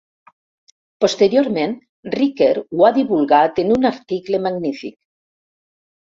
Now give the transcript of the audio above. Posteriorment Riquer ho ha divulgat en un article magnífic.